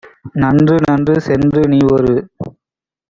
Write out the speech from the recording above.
"நன்று நன்று சென்று நீஒரு